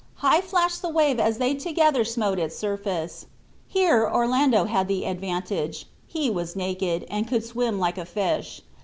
High flashed the wave as they together smote its surface. Here Orlando had the advantage; he was naked, and could swim like a fish.